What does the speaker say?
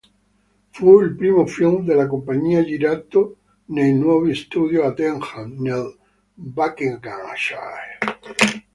Fu il primo film della compagnia girato nei nuovi studios a Denham nel Buckinghamshire.